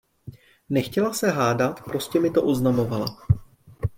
Nechtěla se hádat, prostě mi to oznamovala.